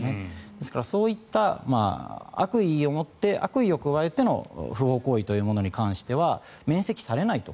ですから、そういった悪意を加えての不法行為というものに関しては免責されないと。